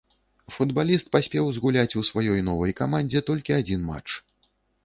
Футбаліст паспеў згуляць у сваёй новай камандзе толькі адзін матч.